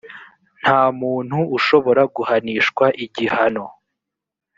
nta muntu ushobora guhanishwa igihano